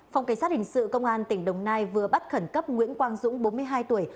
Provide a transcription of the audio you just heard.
phòng cảnh sát hình sự công an tỉnh đồng nai vừa bắt khẩn cấp nguyễn quang dũng bốn mươi hai tuổi